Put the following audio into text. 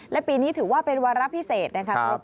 และปีนี้ถือว่าเป็นวาระพิเศษนะครับ